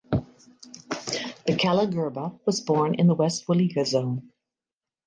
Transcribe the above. Bekele Gerba was born in in West Welega Zone.